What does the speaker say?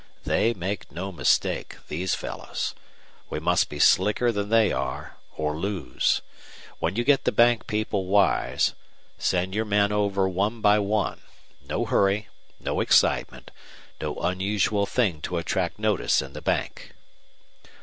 They make no mistakes, these fellows. We must be slicker than they are, or lose. When you get the bank people wise, send your men over one by one. No hurry, no excitement, no unusual thing to attract notice in the bank."